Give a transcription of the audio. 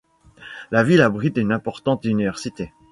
La ville abrite une importante université.